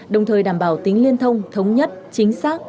đồng thời đảm bảo tính liên thông thống nhất chính xác